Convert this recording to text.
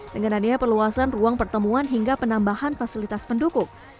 dengan adanya perluasan ruang pertemuan hingga penambahan fasilitas pendukung